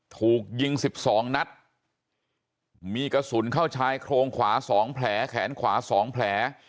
ถูกยิง๑๒นัดมีกระสุนเข้าชายโครงขวา๒แผลแขนขวา๒แผล